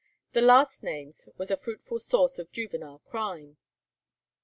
The last named was a fruitful source of juvenile crime.